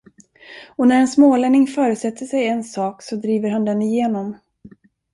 Och när en smålänning föresätter sig en sak, så driver han den igenom.